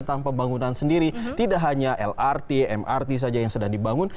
tentang pembangunan sendiri tidak hanya lrt mrt saja yang sedang dibangun